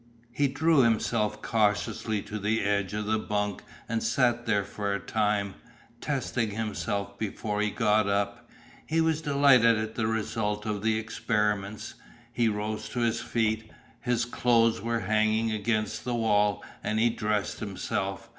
He drew himself cautiously to the edge of the bunk and sat there for a time, testing himself before he got up. He was delighted at the result of the experiments. He rose to his feet. His clothes were hanging against the wall, and he dressed himself.